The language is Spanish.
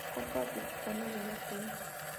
Copa Africana de Naciones.